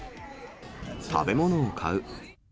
食べ物を買う。